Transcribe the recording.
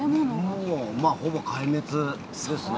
ほぼ壊滅ですね。